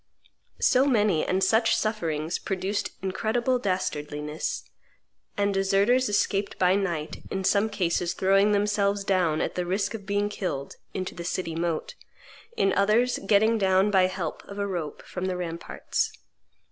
So many and such sufferings produced incredible dastardliness; and deserters escaped by night, in some cases throwing themselves down, at the risk of being killed, into the city moat; in others getting down by help of a rope from the ramparts.